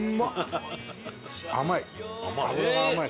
甘い！